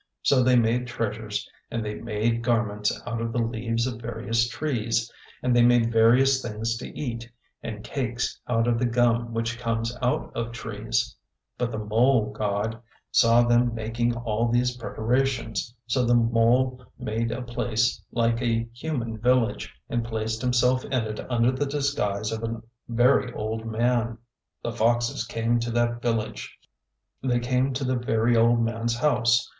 So they made treasures and they made garments out of the leaves of various trees, and they made various things to eat and cakes out of the gum which comes out of trees. But the mole[ god] saw them making all these preparations. So the mole made a place like a human village, and placed himself in it under the disguise of a very old man. The foxes came to that village; they came to the very old man's house.